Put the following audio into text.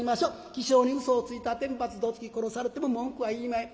起請にうそをついた天罰どつき殺されても文句は言いまへん。